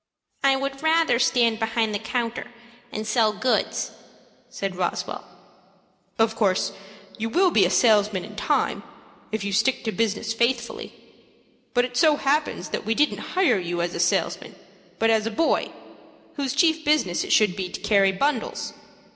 "I would rather stand behind the counter and sell goods," said Roswell. "Of course you will be a salesman in time, if you stick to business faithfully. But it so happens that we didn't hire you as a salesman, but as a boy, whose chief business it should be to carry bundles.